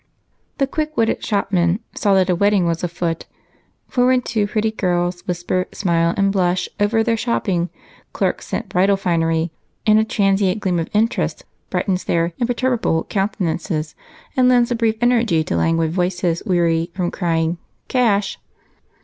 The quick witted shopman saw that a wedding was afoot, for when two pretty girls whisper, smile, and blush over their shopping, clerks scent bridal finery and a transient gleam of interest brightens their imperturbable countenances and lends a brief energy to languid voices weary with crying, "Cash!"